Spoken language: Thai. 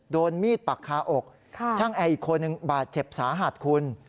โดนมีดปักคาอกช่างแอร์อีกคนหนึ่งบาดเจ็บสาหัสคุณ